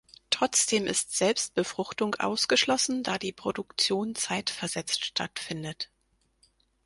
Trotzdem ist Selbstbefruchtung ausgeschlossen, da die Produktion zeitversetzt stattfindet.